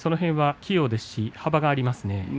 器用ですし幅がありますね。